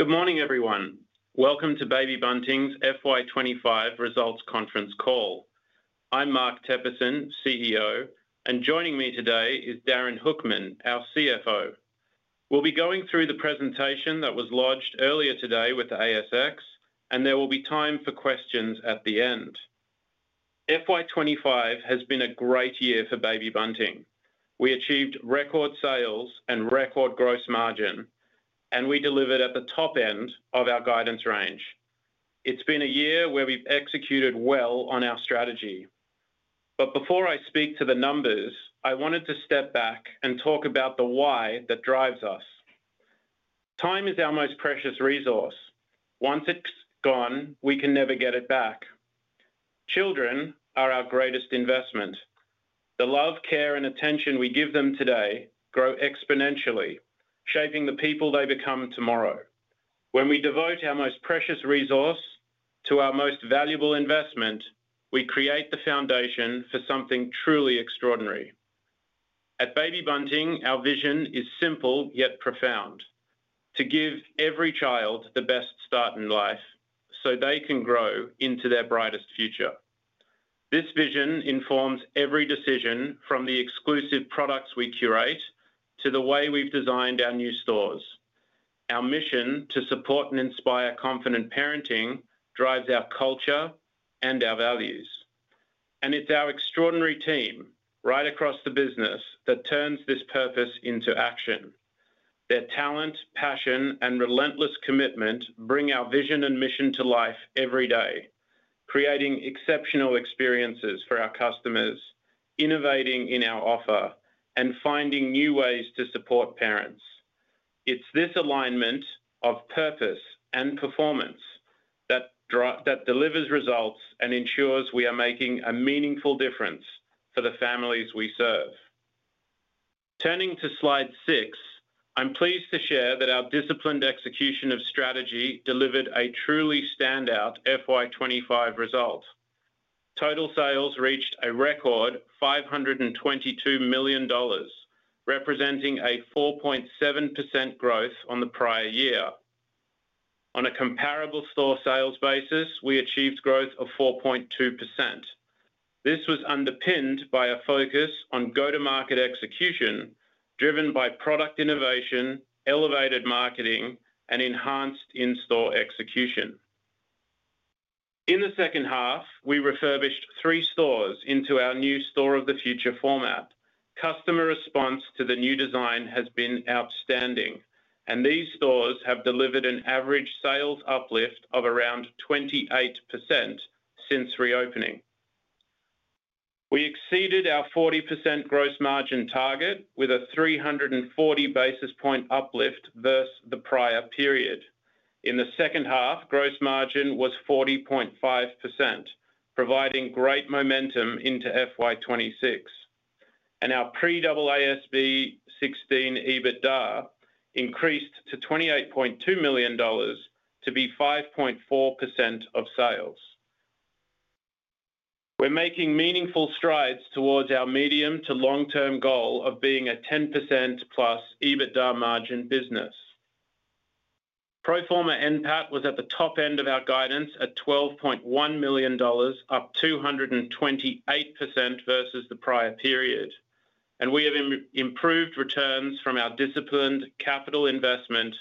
Good morning, everyone. Welcome to Baby Bunting's FY 2025 results conference call. I'm Mark Teperson, CEO, and joining me today is Darin Hoekman, our CFO. We'll be going through the presentation that was lodged earlier today with the ASX, and there will be time for questions at the end. FY 2025 has been a great year for Baby Bunting. We achieved record sales and record gross margin, and we delivered at the top end of our guidance range. It's been a year where we've executed well on our strategy. Before I speak to the numbers, I wanted to step back and talk about the why that drives us. Time is our most precious resource. Once it's gone, we can never get it back. Children are our greatest investment. The love, care, and attention we give them today grow exponentially, shaping the people they become tomorrow. When we devote our most precious resource to our most valuable investment, we create the foundation for something truly extraordinary. At Baby Bunting, our vision is simple yet profound – to give every child the best start in life so they can grow into their brightest future. This vision informs every decision from the exclusive products we curate to the way we've designed our new stores. Our mission to support and inspire confident parenting drives our culture and our values. It's our extraordinary team right across the business that turns this purpose into action. Their talent, passion, and relentless commitment bring our vision and mission to life every day, creating exceptional experiences for our customers, innovating in our offer, and finding new ways to support parents. It's this alignment of purpose and performance that delivers results and ensures we are making a meaningful difference for the families we serve. Turning to slide six, I'm pleased to share that our disciplined execution of strategy delivered a truly standout FY 2025 result. Total sales reached a record $522 million, representing a 4.7% growth on the prior year. On a comparable store sales basis, we achieved growth of 4.2%. This was underpinned by a focus on go-to-market execution, driven by product innovation, elevated marketing, and enhanced in-store execution. In the second half, we refurbished three stores into our new Store of the Future format. Customer response to the new design has been outstanding, and these stores have delivered an average sales uplift of around 28% since reopening. We exceeded our 40% gross margin target with a 340 basis point uplift versus the prior period. In the second half, gross margin was 40.5%, providing great momentum into FY 2026. Our pre-AASB 16 EBITDA increased to $28.2 million to be 5.4% of sales. We're making meaningful strides towards our medium to long-term goal of being a 10%+ EBITDA margin business. Proforma NPAT was at the top end of our guidance at $12.1 million, up 228% versus the prior period. We have improved returns from our disciplined capital investment,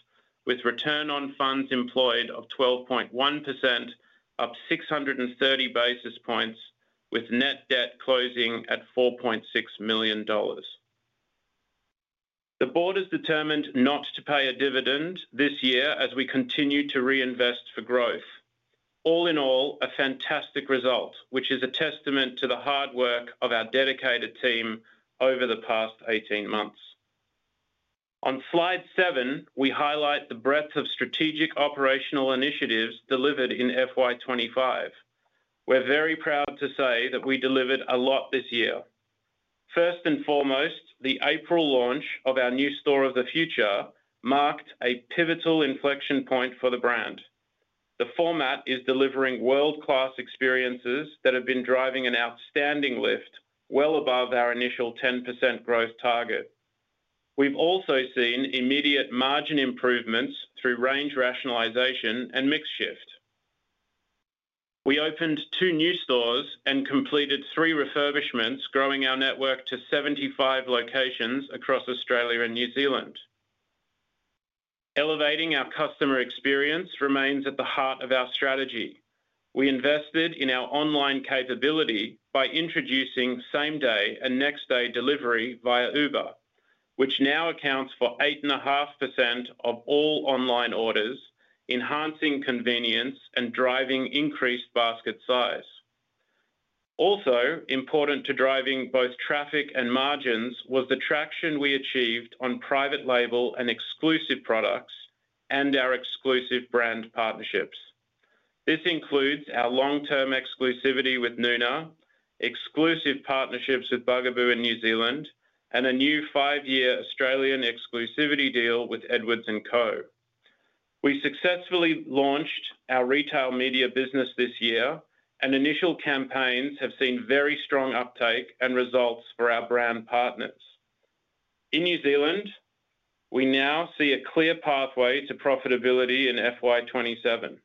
with return on funds employed of 12.1%, up 630 basis points, with net debt closing at $4.6 million. The board has determined not to pay a dividend this year as we continue to reinvest for growth. All in all, a fantastic result, which is a testament to the hard work of our dedicated team over the past 18 months. On slide seven, we highlight the breadth of strategic operational initiatives delivered in FY 2025. We're very proud to say that we delivered a lot this year. First and foremost, the April launch of our new Store of the Future marked a pivotal inflection point for the brand. The format is delivering world-class experiences that have been driving an outstanding lift, well above our initial 10% growth target. We've also seen immediate margin improvements through range rationalization and mixed shift. We opened two new stores and completed three refurbishments, growing our network to 75 locations across Australia and New Zealand. Elevating our customer experience remains at the heart of our strategy. We invested in our online capability by introducing same-day and next-day delivery via Uber, which now accounts for 8.5% of all online orders, enhancing convenience and driving increased basket size. Also, important to driving both traffic and margins was the traction we achieved on private label and exclusive products and our exclusive brand partnerships. This includes our long-term exclusivity with Nuna, exclusive partnerships with Bugaboo in New Zealand, and a new five-year Australian exclusivity deal with Edwards and Co. We successfully launched our retail media business this year, and initial campaigns have seen very strong uptake and results for our brand partners. In New Zealand, we now see a clear pathway to profitability in FY 2027.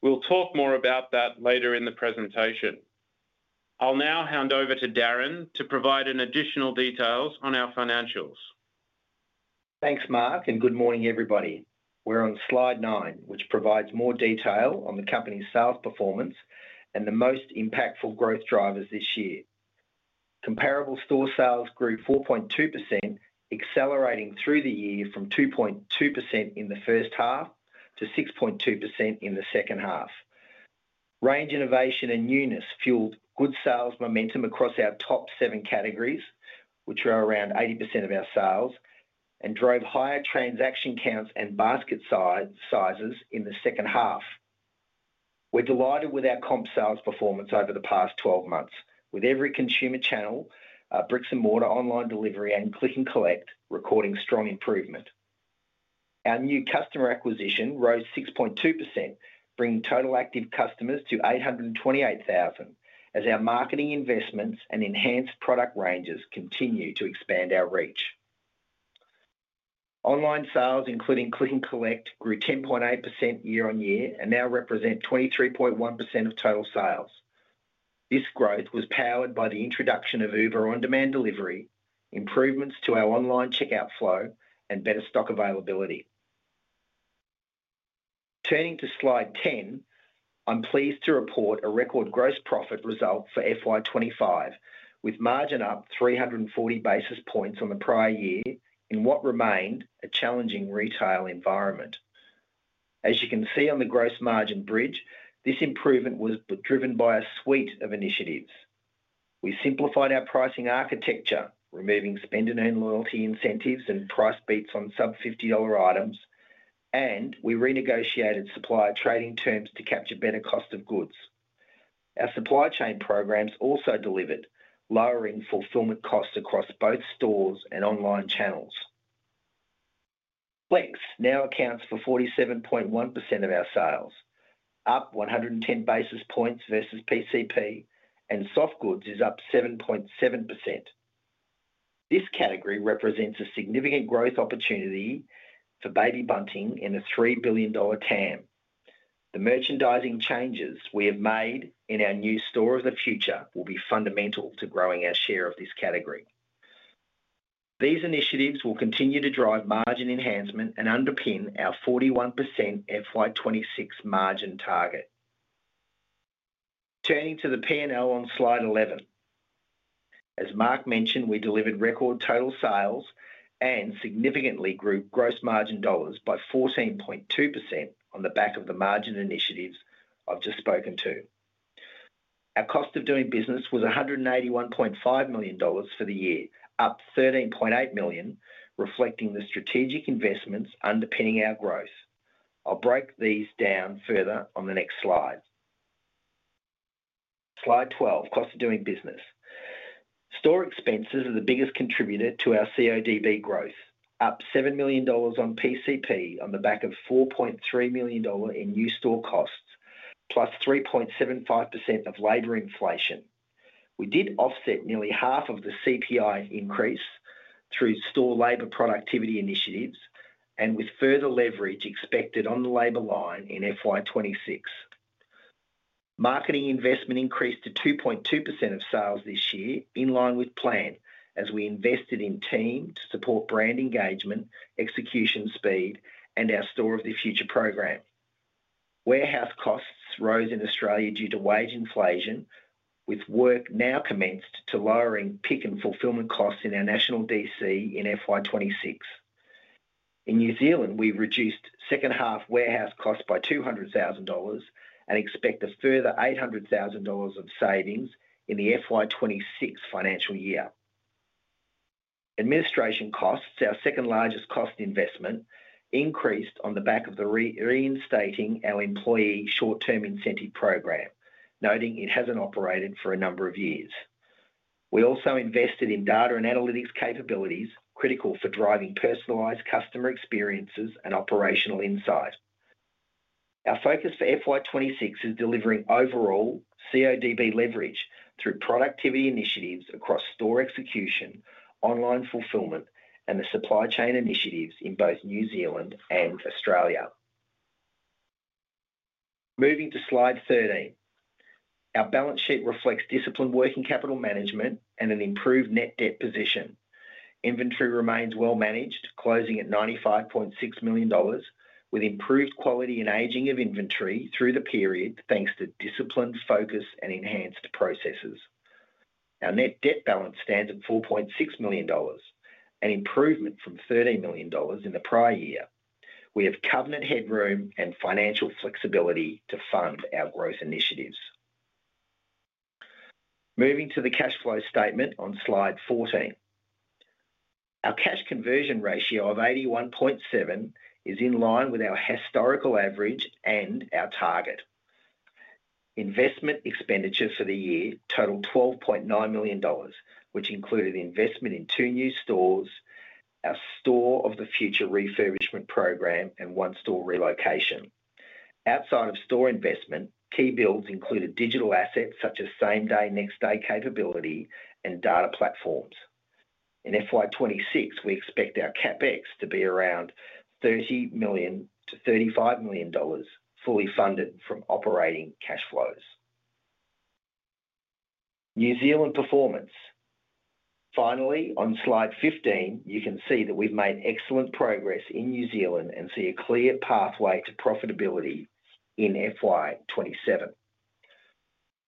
We'll talk more about that later in the presentation. I'll now hand over to Darin to provide additional details on our financials. Thanks, Mark, and good morning, everybody. We're on slide nine, which provides more detail on the company's sales performance and the most impactful growth drivers this year. Comparable store sales grew 4.2%, accelerating through the year from 2.2% in the first half to 6.2% in the second half. Range innovation and newness fueled good sales momentum across our top seven categories, which were around 80% of our sales, and drove higher transaction counts and basket sizes in the second half. We're delighted with our comp sales performance over the past 12 months, with every consumer channel, bricks and mortar, online delivery, and click and collect recording strong improvement. Our new customer acquisition rose 6.2%, bringing total active customers to 828,000, as our marketing investments and enhanced product ranges continue to expand our reach. Online sales, including Click & Collect, grew 10.8% year-on-year and now represent 23.1% of total sales. This growth was powered by the introduction of Uber on-demand delivery, improvements to our online checkout flow, and better stock availability. Turning to slide 10, I'm pleased to report a record gross profit result for FY 2025, with margin up 340 basis points on the prior year in what remained a challenging retail environment. As you can see on the gross margin bridge, this improvement was driven by a suite of initiatives. We simplified our pricing architecture, removing spend-and-earn loyalty incentives and price beats on sub-$50 items, and we renegotiated supplier trading terms to capture better cost of goods. Our supply chain programs also delivered, lowering fulfillment costs across both stores and online channels. FLEX now accounts for 47.1% of our sales, up 110 basis points versus PCP, and soft goods is up 7.7%. This category represents a significant growth opportunity for Baby Bunting in a $3 billion TAM. The merchandising changes we have made in our new Store of the Future will be fundamental to growing our share of this category. These initiatives will continue to drive margin enhancement and underpin our 41% FY 2026 margin target. Turning to the P&L on slide 11. As Mark mentioned, we delivered record total sales and significantly grew gross margin dollars by 14.2% on the back of the margin initiatives I've just spoken to. Our cost of doing business was $181.5 million for the year, up $13.8 million, reflecting the strategic investments underpinning our growth. I'll break these down further on the next slide. Slide 12, cost of doing business. Store expenses are the biggest contributor to our CODB growth, up $7 million on PCP on the back of $4.3 million in new store costs, plus 3.75% of labor inflation. We did offset nearly half of the CPI increase through store labor productivity initiatives and with further leverage expected on the labor line in FY 2026. Marketing investment increased to 2.2% of sales this year, in line with plan, as we invested in team to support brand engagement, execution speed, and our Store of the Future program. Warehouse costs rose in Australia due to wage inflation, with work now commenced to lowering pick and fulfillment costs in our national DC in FY 2026. In New Zealand, we reduced second half warehouse costs by $200,000 and expect a further $800,000 of savings in the FY 2026 financial year. Administration costs, our second largest cost investment, increased on the back of reinstating our employee short-term incentive program, noting it hasn't operated for a number of years. We also invested in data and analytics capabilities, critical for driving personalized customer experiences and operational insight. Our focus for FY 2026 is delivering overall CODB leverage through productivity initiatives across store execution, online fulfillment, and the supply chain initiatives in both New Zealand and Australia. Moving to slide 13, our balance sheet reflects disciplined working capital management and an improved net debt position. Inventory remains well managed, closing at $95.6 million, with improved quality and aging of inventory through the period, thanks to disciplined focus and enhanced processes. Our net debt balance stands at $4.6 million, an improvement from $30 million in the prior year. We have covenant headroom and financial flexibility to fund our growth initiatives. Moving to the cash flow statement on slide 14. Our cash conversion ratio of 81.7% is in line with our historical average and our target. Investment expenditure for the year totaled $12.9 million, which included investment in two new stores, our Store of the Future refurbishment program, and one store relocation. Outside of store investment, key builds included digital assets such as same-day/next-day capability and data platforms. In FY 2026, we expect our CapEx to be around $30 million-$35 million, fully funded from operating cash flows. New Zealand performance. Finally, on slide 15, you can see that we've made excellent progress in New Zealand and see a clear pathway to profitability in FY 2027.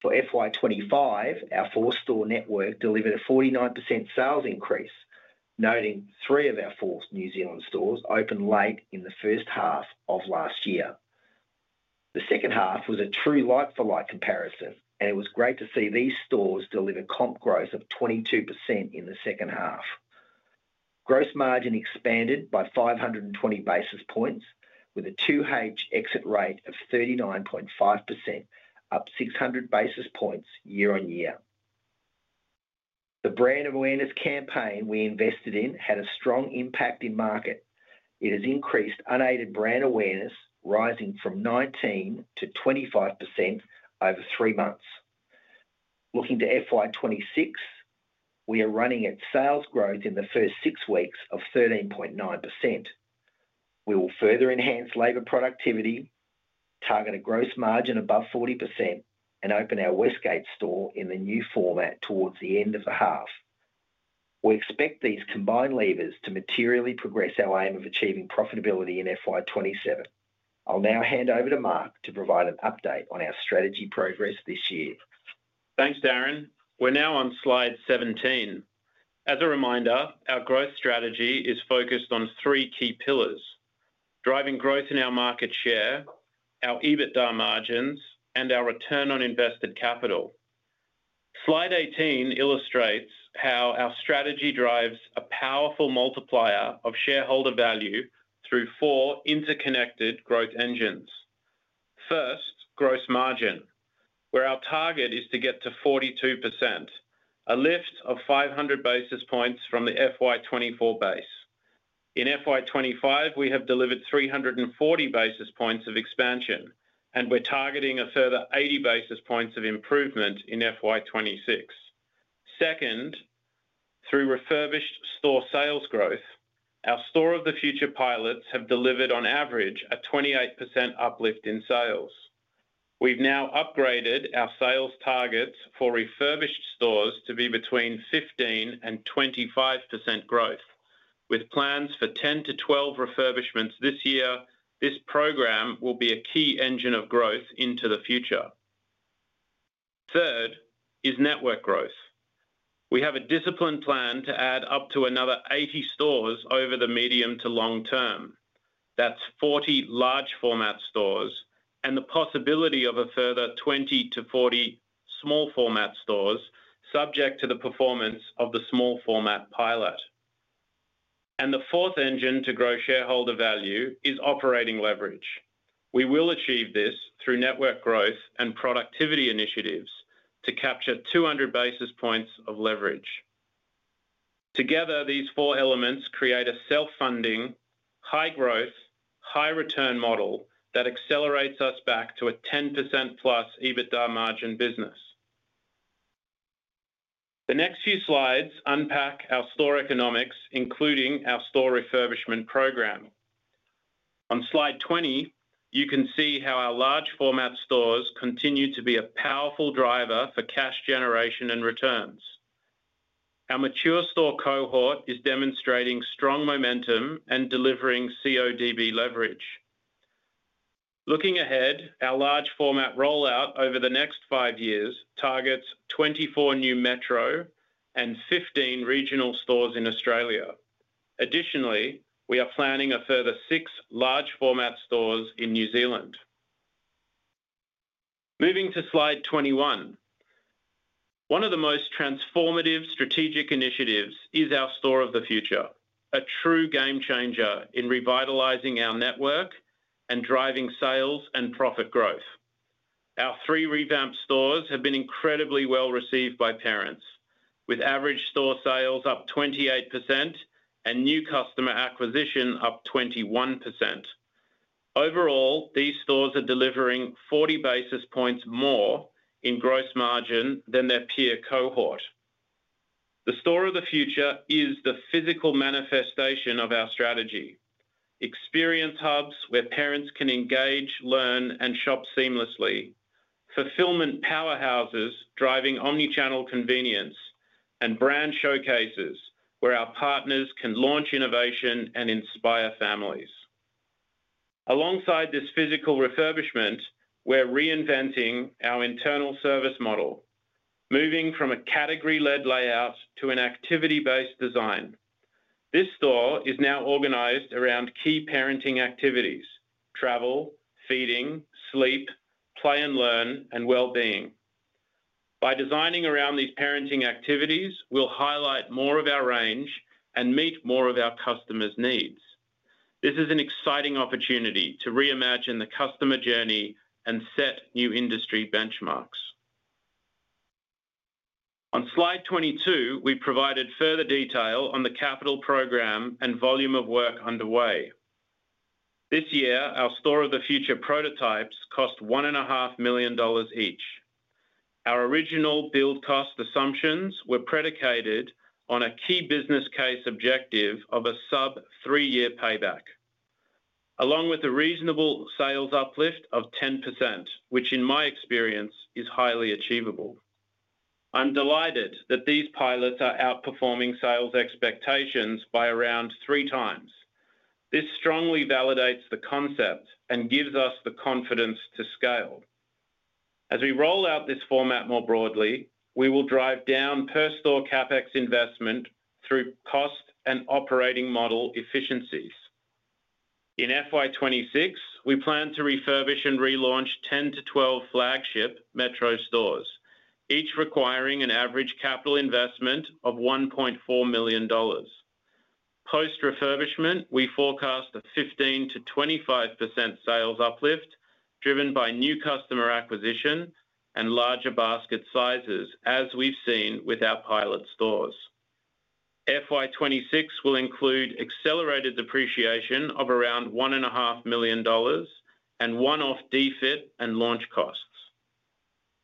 For FY 2025, our four-store network delivered a 49% sales increase, noting three of our four New Zealand stores opened late in the first half of last year. The second half was a true like-for-like comparison, and it was great to see these stores deliver comp growth of 22% in the second half. Gross margin expanded by 520 basis points, with a 2H exit rate of 39.5%, up 600 basis points year-on-year. The brand awareness campaign we invested in had a strong impact in market. It has increased unaided brand awareness, rising from 19%-25% over three months. Looking to FY 2026, we are running at sales growth in the first six weeks of 13.9%. We will further enhance labor productivity, target a gross margin above 40%, and open our Westgate store in the new format towards the end of the half. We expect these combined levers to materially progress our aim of achieving profitability in FY 2027. I'll now hand over to Mark to provide an update on our strategy progress this year. Thanks, Darin. We're now on slide 17. As a reminder, our growth strategy is focused on three key pillars: driving growth in our market share, our EBITDA margins, and our return on invested capital. Slide 18 illustrates how our strategy drives a powerful multiplier of shareholder value through four interconnected growth engines. First, gross margin, where our target is to get to 42%, a lift of 500 basis points from the FY 2024 base. In FY 2025, we have delivered 340 basis points of expansion, and we're targeting a further 80 basis points of improvement in FY 2026. Second, through refurbished store sales growth, our Store of the Future pilots have delivered on average a 28% uplift in sales. We've now upgraded our sales targets for refurbished stores to be between 15% and 25% growth. With plans for 10-12 refurbishments this year, this program will be a key engine of growth into the future. Third is network growth. We have a disciplined plan to add up to another 80 stores over the medium to long term. That's 40 large format stores and the possibility of a further 20-40 small format stores, subject to the performance of the small format pilot. The fourth engine to grow shareholder value is operating leverage. We will achieve this through network growth and productivity initiatives to capture 200 basis points of leverage. Together, these four elements create a self-funding, high growth, high return model that accelerates us back to a 10%+ EBITDA margin business. The next few slides unpack our store economics, including our store refurbishment program. On slide 20, you can see how our large format stores continue to be a powerful driver for cash generation and returns. Our mature store cohort is demonstrating strong momentum and delivering CODB leverage. Looking ahead, our large format rollout over the next five years targets 24 new metro and 15 regional stores in Australia. Additionally, we are planning a further six large format stores in New Zealand. Moving to slide 21, one of the most transformative strategic initiatives is our Store of the Future, a true game changer in revitalizing our network and driving sales and profit growth. Our three revamped stores have been incredibly well received by parents, with average store sales up 28% and new customer acquisition up 21%. Overall, these stores are delivering 40 basis points more in gross margin than their peer cohort. The Store of the Future is the physical manifestation of our strategy. Experience hubs where parents can engage, learn, and shop seamlessly, fulfillment powerhouses driving omnichannel convenience, and brand showcases where our partners can launch innovation and inspire families. Alongside this physical refurbishment, we're reinventing our internal service model, moving from a category-led layout to an activity-based design. This store is now organized around key parenting activities – travel, feeding, sleep, play and learn, and wellbeing. By designing around these parenting activities, we'll highlight more of our range and meet more of our customers' needs. This is an exciting opportunity to reimagine the customer journey and set new industry benchmarks. On slide 22, we provided further detail on the capital program and volume of work underway. This year, our Store of the Future prototypes cost $1.5 million each. Our original build cost assumptions were predicated on a key business case objective of a sub-three-year payback, along with a reasonable sales uplift of 10%, which in my experience is highly achievable. I'm delighted that these pilots are outperforming sales expectations by around three times. This strongly validates the concept and gives us the confidence to scale. As we roll out this format more broadly, we will drive down per store CapEx investment through cost and operating model efficiencies. In FY 2026, we plan to refurbish and relaunch 10-12 flagship metro stores, each requiring an average capital investment of $1.4 million. Post-refurbishment, we forecast a 15%-25% sales uplift, driven by new customer acquisition and larger basket sizes, as we've seen with our pilot stores. FY 2026 will include accelerated depreciation of around $1.5 million and one-off defit and launch costs.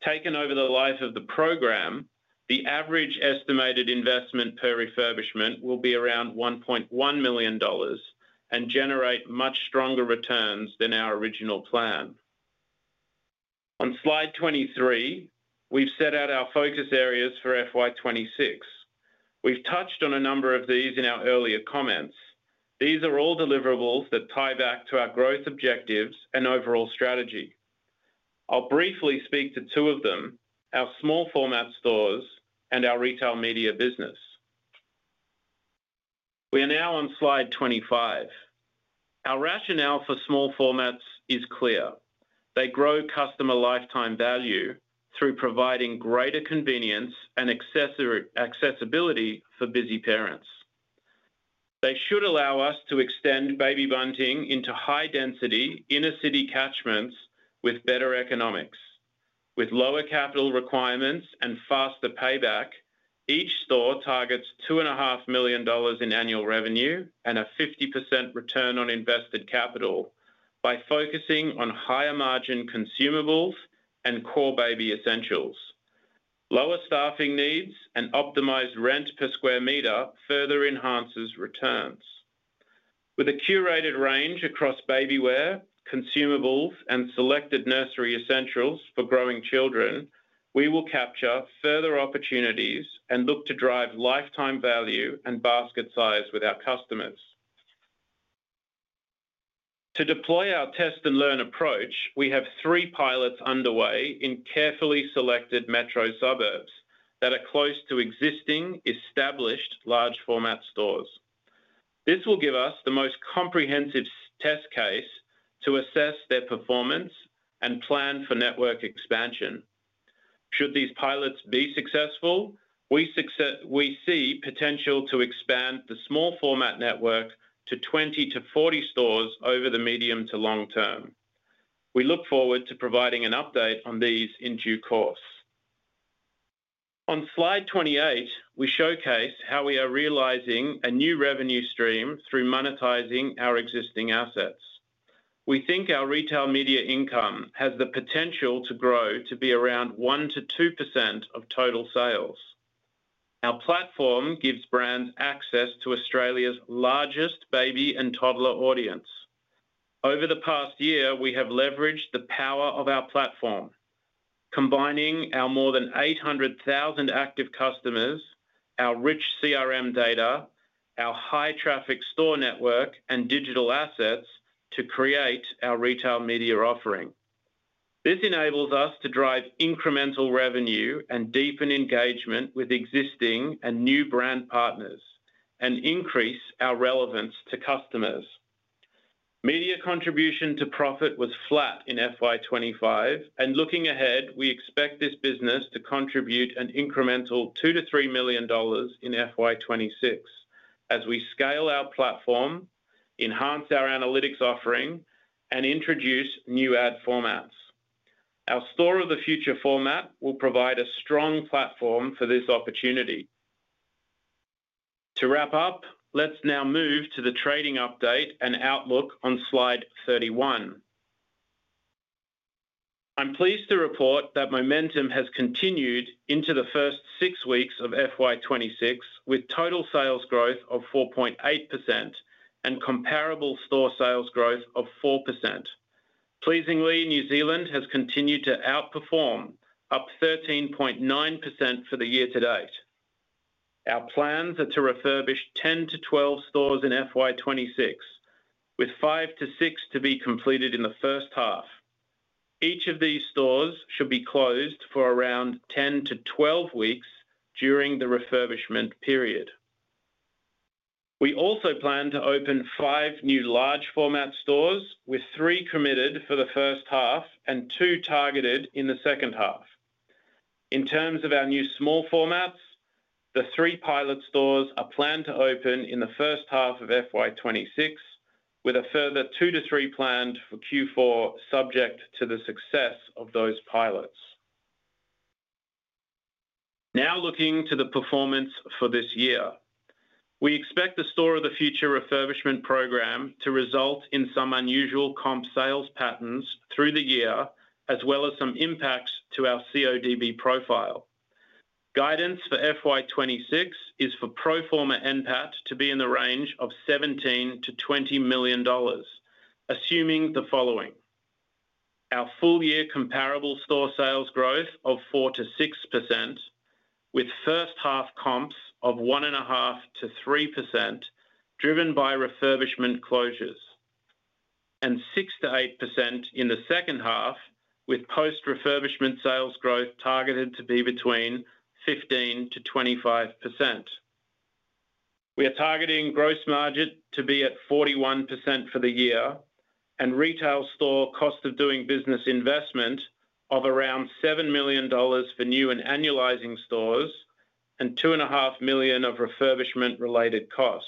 Taken over the life of the program, the average estimated investment per refurbishment will be around $1.1 million and generate much stronger returns than our original plan. On slide 23, we've set out our focus areas for FY 2026. We've touched on a number of these in our earlier comments. These are all deliverables that tie back to our growth objectives and overall strategy. I'll briefly speak to two of them: our small format stores and our retail media business. We are now on slide 25. Our rationale for small formats is clear. They grow customer lifetime value through providing greater convenience and accessibility for busy parents. They should allow us to extend Baby Bunting into high-density inner-city catchments with better economics. With lower capital requirements and faster payback, each store targets $2.5 million in annual revenue and a 50% return on invested capital by focusing on higher margin consumables and core baby essentials. Lower staffing needs and optimized rent per square meter further enhance returns. With a curated range across babywear, consumables, and selected nursery essentials for growing children, we will capture further opportunities and look to drive lifetime value and basket size with our customers. To deploy our test and learn approach, we have three pilots underway in carefully selected metro suburbs that are close to existing established large format stores. This will give us the most comprehensive test case to assess their performance and plan for network expansion. Should these pilots be successful, we see potential to expand the small format network to 20-40 stores over the medium to long term. We look forward to providing an update on these in due course. On slide 28, we showcase how we are realizing a new revenue stream through monetizing our existing assets. We think our retail media income has the potential to grow to be around 1%-2% of total sales. Our platform gives brands access to Australia's largest baby and toddler audience. Over the past year, we have leveraged the power of our platform, combining our more than 800,000 active customers, our rich CRM data, our high-traffic store network, and digital assets to create our retail media offering. This enables us to drive incremental revenue and deepen engagement with existing and new brand partners and increase our relevance to customers. Media contribution to profit was flat in FY 2025 and looking ahead, we expect this business to contribute an incremental $2 million-$3 million in FY 2026 as we scale our platform, enhance our analytics offering, and introduce new ad formats. Our Store of the Future format will provide a strong platform for this opportunity. To wrap up, let's now move to the trading update and outlook on slide 31. I'm pleased to report that momentum has continued into the first six weeks of FY 2026, with total sales growth of 4.8% and comparable store sales growth of 4%. Pleasingly, New Zealand has continued to outperform, up 13.9% for the year to date. Our plans are to refurbish 10-12 stores in FY 2026, with five to six to be completed in the first half. Each of these stores should be closed for around 10-12 weeks during the refurbishment period. We also plan to open five new large format stores, with three committed for the first half and two targeted in the second half. In terms of our new small formats, the three pilot stores are planned to open in the first half of FY 2026, with a further two-three planned for Q4, subject to the success of those pilots. Now looking to the performance for this year, we expect the Store of the Future refurbishment program to result in some unusual comp sales patterns through the year, as well as some impacts to our CODB profile. Guidance for FY 2026 is for proforma NPAT to be in the range of $17 million-$20 million, assuming the following – our full-year comparable store sales growth of 4%-6%, with first half comps of 1.5%-3%, driven by refurbishment closures, and 6%-8% in the second half, with post-refurbishment sales growth targeted to be between 15%-25%. We are targeting gross margin to be at 41% for the year and retail store cost of doing business investment of around $7 million for new and annualizing stores and $2.5 million of refurbishment-related costs.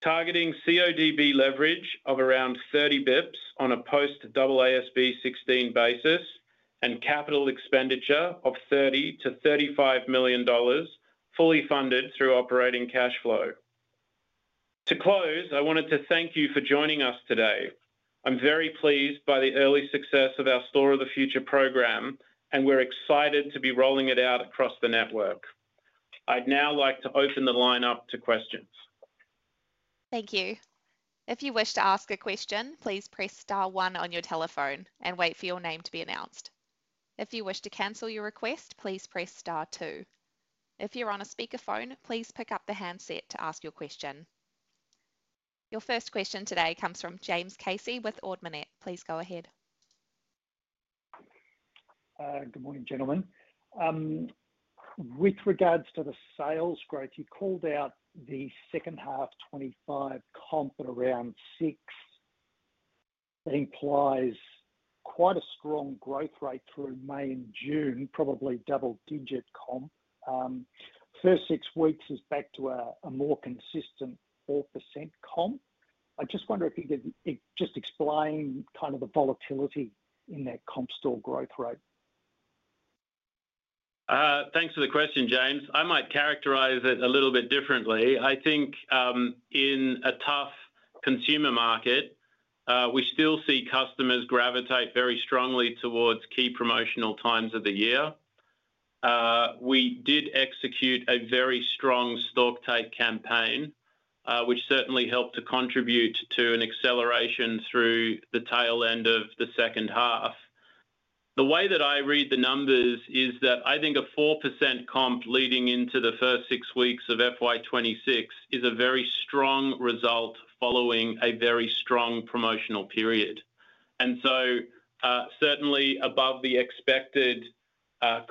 Targeting CODB leverage of around 30 basis points on a post-AASB 16 basis points and capital expenditure of $30-$35 million, fully funded through operating cash flow. To close, I wanted to thank you for joining us today. I'm very pleased by the early success of our Store of the Future program, and we're excited to be rolling it out across the network. I'd now like to open the line up to questions. Thank you. If you wish to ask a question, please press star one on your telephone and wait for your name to be announced. If you wish to cancel your request, please press star two. If you're on a speakerphone, please pick up the handset to ask your question. Your first question today comes from James Casey with Ord Minnett. Please go ahead. Good morning, gentlemen. With regards to the sales growth, you called out the second half, 2025 comp at around 6%. That implies quite a strong growth rate through May and June, probably double-digit comp. First six weeks is back to a more consistent 4% comp. I just wonder if you could just explain kind of the volatility in that comp store growth rate. Thanks for the question, James. I might characterize it a little bit differently. I think in a tough consumer market, we still see customers gravitate very strongly towards key promotional times of the year. We did execute a very strong stock take campaign, which certainly helped to contribute to an acceleration through the tail end of the second half. The way that I read the numbers is that I think a 4% comp leading into the first six weeks of FY 2026 is a very strong result following a very strong promotional period. It is certainly above the expected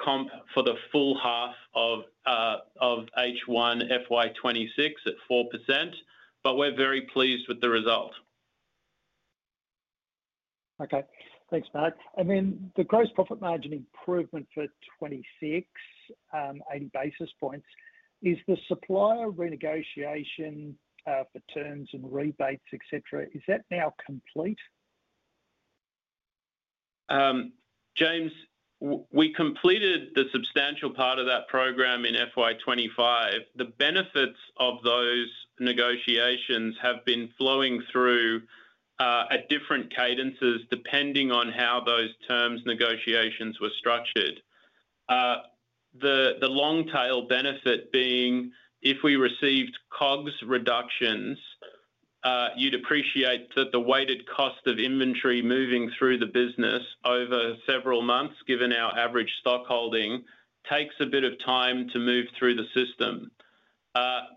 comp for the full half of H1 FY 2026 at 4%, but we're very pleased with the result. Okay, thanks, Mark. I mean, the gross profit margin improvement for 26, 80 basis points, is the supplier renegotiation for terms and rebates, etc., is that now complete? James, we completed the substantial part of that program in FY 2025. The benefits of those negotiations have been flowing through at different cadences depending on how those terms negotiations were structured. The long-tail benefit being, if we received COGS reductions, you'd appreciate that the weighted cost of inventory moving through the business over several months, given our average stock holding, takes a bit of time to move through the system.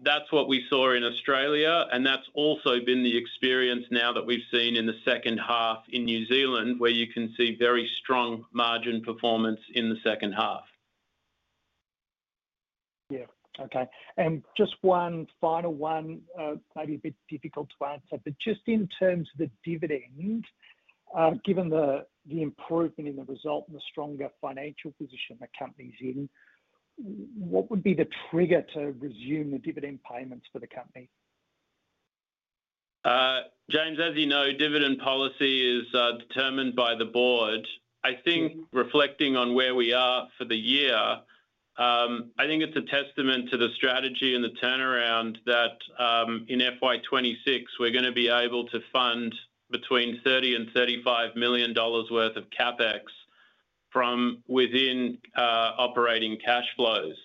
That's what we saw in Australia, and that's also been the experience now that we've seen in the second half in New Zealand, where you can see very strong margin performance in the second half. Okay. Just one final one, maybe a bit difficult to answer, but just in terms of the dividend, given the improvement in the result and the stronger financial position the company's in, what would be the trigger to resume the dividend payments for the company? James, as you know, dividend policy is determined by the board. I think reflecting on where we are for the year, I think it's a testament to the strategy and the turnaround that in FY 2026 we're going to be able to fund between $30 million and $35 million worth of CapEx from within operating cash flows.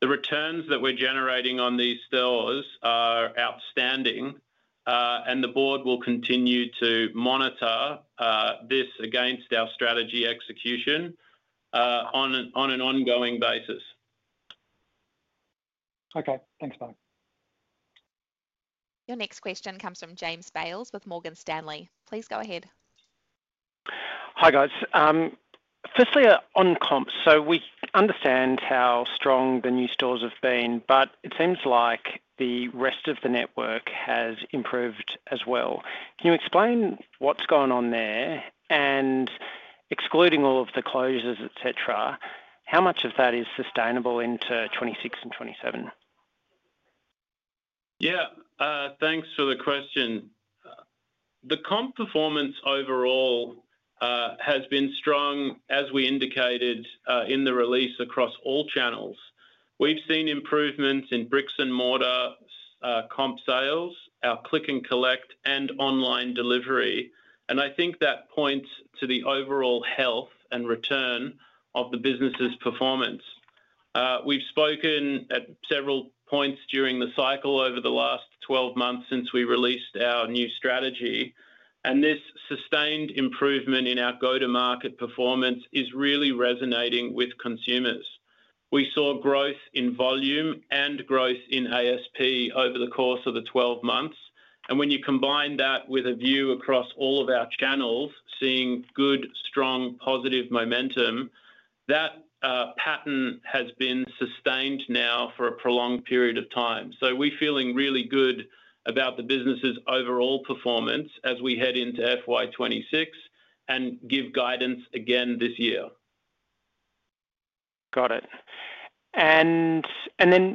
The returns that we're generating on these stores are outstanding, and the board will continue to monitor this against our strategy execution on an ongoing basis. Okay, thanks, Mark. Your next question comes from James Bales with Morgan Stanley. Please go ahead. Hi guys. Firstly, on comps, we understand how strong the new stores have been, but it seems like the rest of the network has improved as well. Can you explain what's going on there? Excluding all of the closures, etc., how much of that is sustainable into 2026 and 2027? Yeah, thanks for the question. The comp performance overall has been strong, as we indicated in the release across all channels. We've seen improvements in bricks and mortar comp sales, our click and collect, and online delivery. I think that points to the overall health and return of the business's performance. We've spoken at several points during the cycle over the last 12 months since we released our new strategy, and this sustained improvement in our go-to-market performance is really resonating with consumers. We saw growth in volume and growth in ASP over the course of the 12 months, and when you combine that with a view across all of our channels, seeing good, strong, positive momentum, that pattern has been sustained now for a prolonged period of time. We're feeling really good about the business's overall performance as we head into FY 2026 and give guidance again this year. Got it.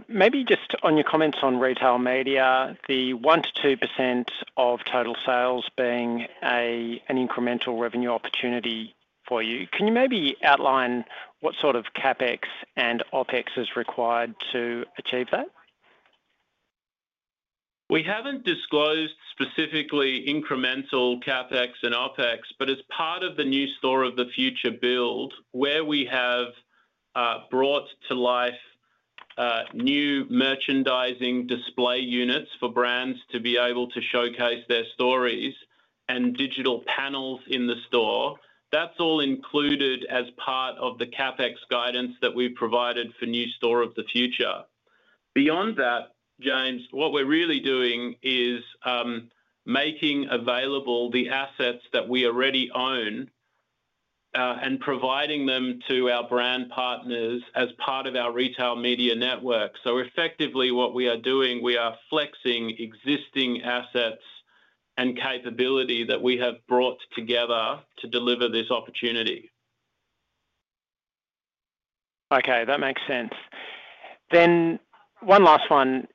Maybe just on your comments on retail media, the 1%-2% of total sales being an incremental revenue opportunity for you, can you maybe outline what sort of CapEx and OpEx is required to achieve that? We haven't disclosed specifically incremental CapEx and OpEx, but as part of the new Store of the Future build, where we have brought to life new merchandising display units for brands to be able to showcase their stories and digital panels in the store, that's all included as part of the CapEx guidance that we've provided for new Store of the Future. Beyond that, James, what we're really doing is making available the assets that we already own and providing them to our brand partners as part of our retail media network. Effectively, what we are doing, we are flexing existing assets and capability that we have brought together to deliver this opportunity. Okay, that makes sense. One last one,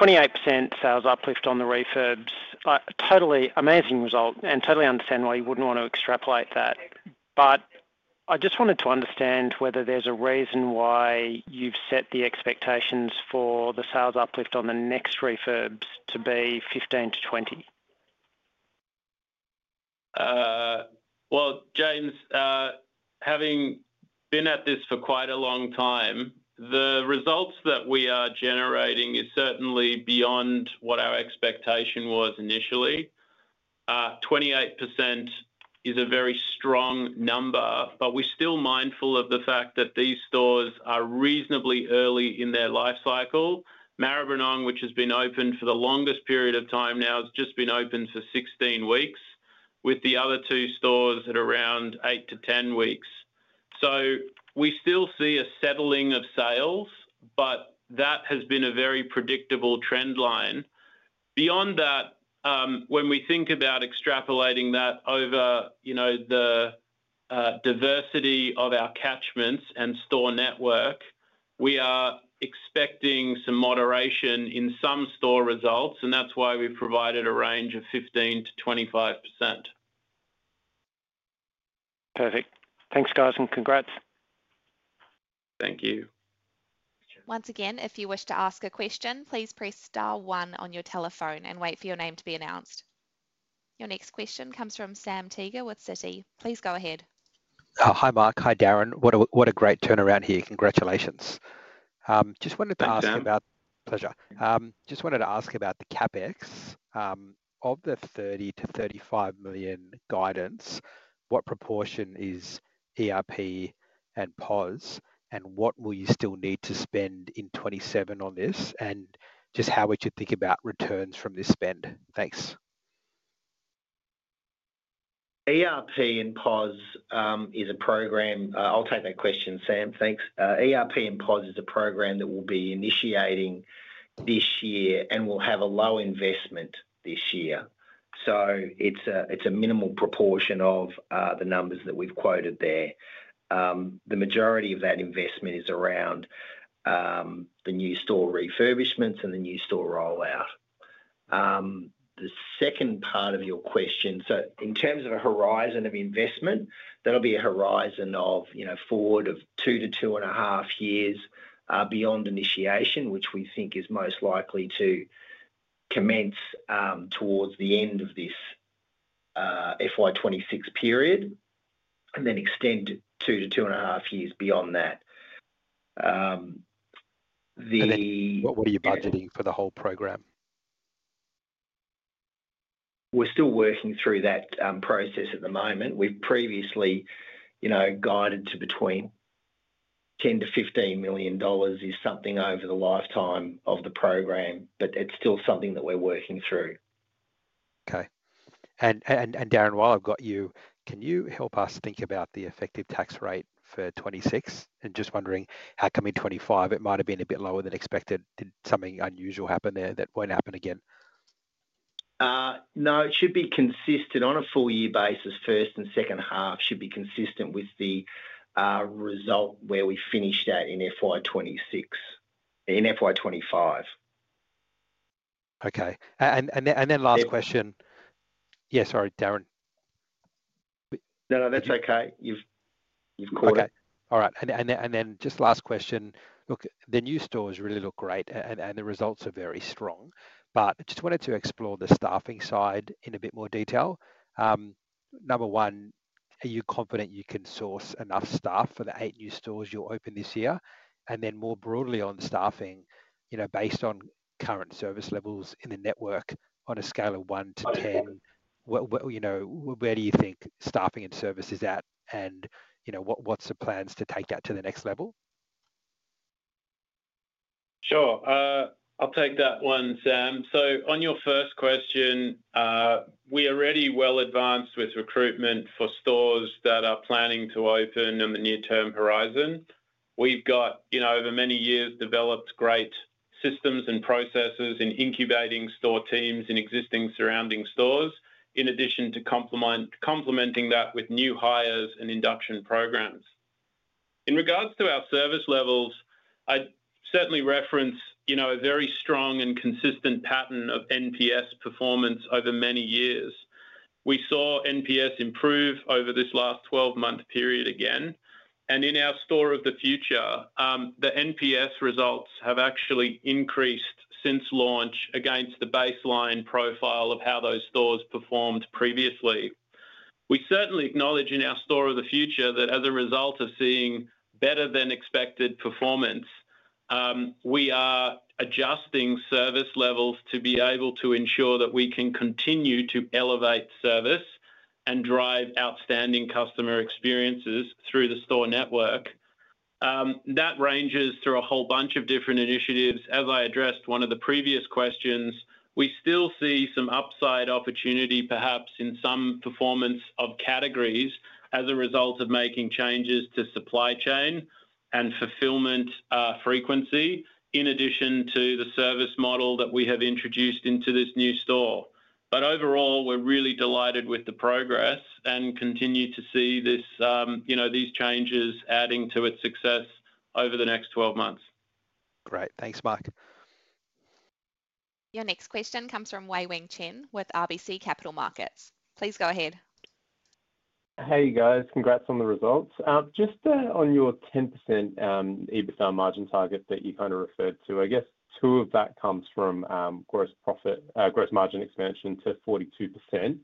28% sales uplift on the refurbs. Totally amazing result, and totally understand why you wouldn't want to extrapolate that. I just wanted to understand whether there's a reason why you've set the expectations for the sales uplift on the next refurbs to be 15%-20%. James, having been at this for quite a long time, the results that we are generating are certainly beyond what our expectation was initially. 28% is a very strong number, but we're still mindful of the fact that these stores are reasonably early in their lifecycle. Maribyrnong, which has been open for the longest period of time now, has just been open for 16 weeks, with the other two stores at around 8-10 weeks. We still see a settling of sales, but that has been a very predictable trend line. Beyond that, when we think about extrapolating that over the diversity of our catchments and store network, we are expecting some moderation in some store results, and that's why we've provided a range of 15%-25%. Perfect. Thanks, guys, and congrats. Thank you. Once again, if you wish to ask a question, please press star one on your telephone and wait for your name to be announced. Your next question comes from Sam Teeger with Citi. Please go ahead. Hi, Mark. Hi, Darin. What a great turnaround here. Congratulations. Just wanted to ask about the CapEx of the $30 million-$35 million guidance. What proportion is ERP and POS, and what will you still need to spend in 2027 on this, and just how would you think about returns from this spend? Thanks. ERP and POS is a program. I'll take that question, Sam. Thanks. ERP and POS is a program that we'll be initiating this year and will have a low investment this year. It's a minimal proportion of the numbers that we've quoted there. The majority of that investment is around the new store refurbishments and the new store rollout. The second part of your question, in terms of a horizon of investment, that'll be a horizon of, you know, forward of two to two and a half years beyond initiation, which we think is most likely to commence towards the end of this FY 2026 period and then extend two to two and a half years beyond that. What are you budgeting for the whole program? We're still working through that process at the moment. We previously guided to between $10 million-$15 million as something over the lifetime of the program, but it's still something that we're working through. Okay. Darin, while I've got you, can you help us think about the effective tax rate for 2026? I'm just wondering, how come in 2025 it might have been a bit lower than expected? Did something unusual happen there that won't happen again? No, it should be consistent on a full-year basis. First and second half should be consistent with the result where we finished at in FY 2026. Okay. Last question. Yeah, sorry, Darin. No, that's okay. Okay. All right. Just last question. The new stores really look great and the results are very strong, but I just wanted to explore the staffing side in a bit more detail. Number one, are you confident you can source enough staff for the eight new stores you'll open this year? More broadly on staffing, based on current service levels in the network, on a scale of 1-10, where do you think staffing and service is at and what's the plans to take that to the next level? Sure. I'll take that one, Sam. On your first question, we are already well advanced with recruitment for stores that are planning to open in the near-term horizon. We've got, over many years, developed great systems and processes in incubating store teams in existing surrounding stores, in addition to complementing that with new hires and induction programs. In regards to our service levels, I'd certainly reference a very strong and consistent pattern of NPS performance over many years. We saw NPS improve over this last 12-month period again. In our Store of the Future, the NPS results have actually increased since launch against the baseline profile of how those stores performed previously. We certainly acknowledge in our Store of the Future that as a result of seeing better-than-expected performance, we are adjusting service levels to be able to ensure that we can continue to elevate service and drive outstanding customer experiences through the store network. That ranges through a whole bunch of different initiatives. As I addressed in one of the previous questions, we still see some upside opportunity, perhaps in some performance of categories, as a result of making changes to supply chain and fulfillment frequency, in addition to the service model that we have introduced into this new store. Overall, we're really delighted with the progress and continue to see these changes adding to its success over the next 12 months. Great. Thanks, Mark. Your next question comes from Wei-Weng Chen with RBC Capital Markets. Please go ahead. Hey guys, congrats on the results. Just on your 10% EBITDA margin target that you kind of referred to, I guess 2% of that comes from gross profit, gross margin expansion to 42%.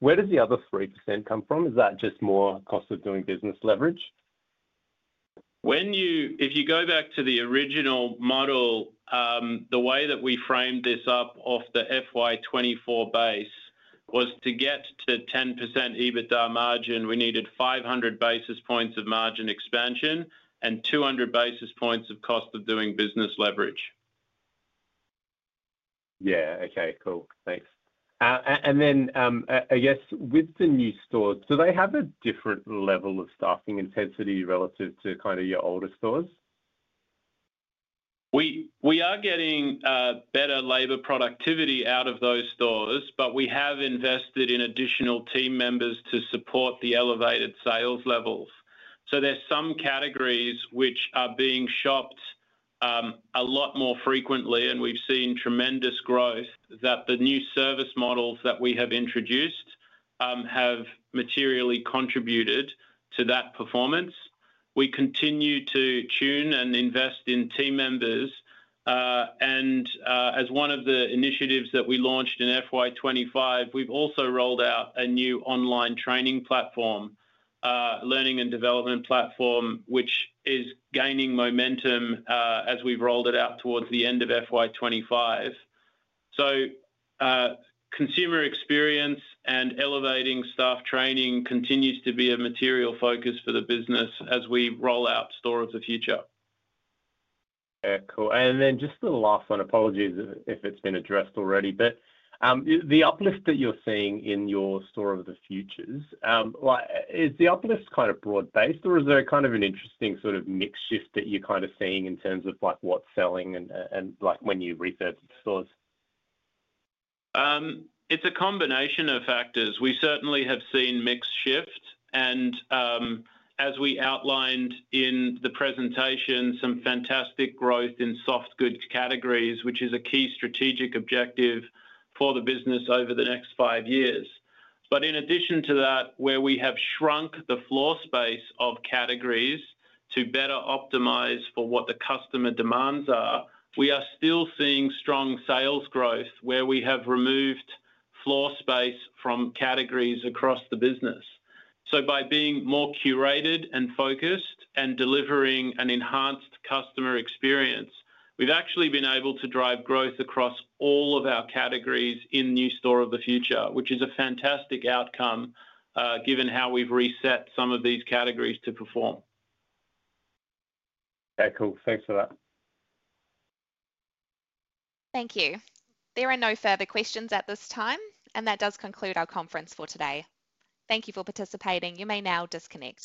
Where does the other 3% come from? Is that just more cost of doing business leverage? If you go back to the original model, the way that we framed this up off the FY 2024 base was to get to 10% EBITDA margin, we needed 500 basis points of margin expansion and 200 basis points of cost of doing business leverage. Yeah, okay, cool. Thanks. I guess with the new store, do they have a different level of staffing intensity relative to kind of your older stores? We are getting better labor productivity out of those stores, but we have invested in additional team members to support the elevated sales levels. There are some categories which are being shopped a lot more frequently, and we've seen tremendous growth that the new service models that we have introduced have materially contributed to that performance. We continue to tune and invest in team members, and as one of the initiatives that we launched in FY 2025, we've also rolled out a new online training platform, a learning and development platform, which is gaining momentum as we've rolled it out towards the end of FY 2025. Consumer experience and elevating staff training continues to be a material focus for the business as we roll out Store of the Future. Yeah, cool. Just the last one, apologies if it's been addressed already, but the uplift that you're seeing in your Store of the Future, is the uplift kind of broad-based, or is there kind of an interesting sort of mix shift that you're seeing in terms of what's selling and when you research the stores? It's a combination of factors. We certainly have seen mix shift, and as we outlined in the presentation, some fantastic growth in soft goods categories, which is a key strategic objective for the business over the next five years. In addition to that, where we have shrunk the floor space of categories to better optimize for what the customer demands are, we are still seeing strong sales growth where we have removed floor space from categories across the business. By being more curated and focused and delivering an enhanced customer experience, we've actually been able to drive growth across all of our categories in new Store of the Future, which is a fantastic outcome given how we've reset some of these categories to perform. Okay, cool. Thanks for that. Thank you. There are no further questions at this time, and that does conclude our conference for today. Thank you for participating. You may now disconnect.